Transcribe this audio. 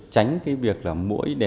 tránh việc mũi đèo